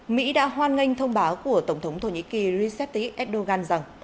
mỹ đã hoan nghênh thông báo của tổng thống thổ nhĩ kỳ recep tayyip erdogan rằng